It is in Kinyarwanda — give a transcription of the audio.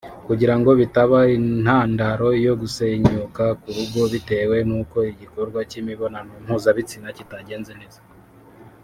kugira ngo bitaba intandaro yo gusenyuka k’urugo bitewe n’uko igikorwa cy’imibonano mpuzabitsina kitagenda neza